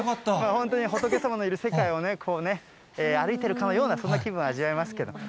本当に仏様のいる世界をね、こうね、歩いてるかのような、そんな気分を味わえますけれども。